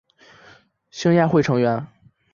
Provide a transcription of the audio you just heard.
兴亚会成员。